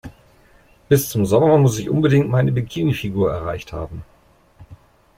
Bis zum Sommer muss ich unbedingt meine Bikini-Figur erreicht haben.